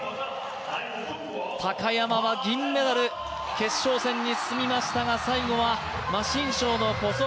高山は銀メダル決勝戦に進みましたが最後は馬振昭の小外